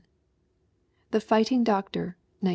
The Fighting Doctor, 1912.